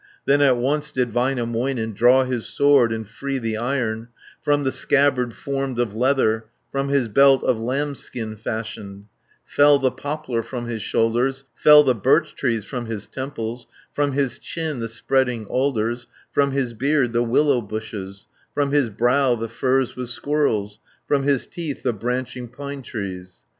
Then at once did Väinämöinen, Draw his sword and free the iron From the scabbard formed of leather, From his belt of lambskin fashioned; 70 Fell the poplar from his shoulders, Fell the birch trees from his temples, From his chin the spreading alders, From his beard the willow bushes, From his brow the firs with squirrels, From his teeth the branching pine trees.